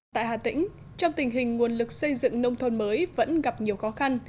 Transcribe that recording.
tại hà tĩnh trong tình hình nguồn lực xây dựng nông thôn mới vẫn gặp nhiều khó khăn